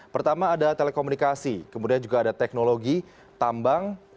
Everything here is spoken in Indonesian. pertama ada telekomunikasi kemudian juga ada teknologi tambang